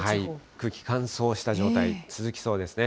空気乾燥した状態、続きそうですね。